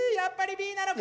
Ｂなのか？